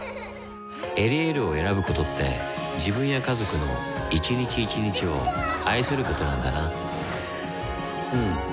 「エリエール」を選ぶことって自分や家族の一日一日を愛することなんだなうん。